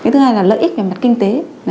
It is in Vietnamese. thứ hai là lợi ích về mặt kinh tế